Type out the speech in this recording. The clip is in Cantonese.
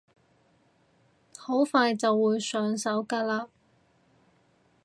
好快就會上手㗎喇